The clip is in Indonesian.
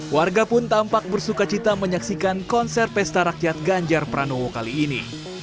warga pun tampak bersuka cita menyaksikan konser pesta rakyat ganjar pranowo kali ini